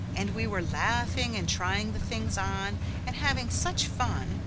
And we were laughing, and trying the things on, and having such fun.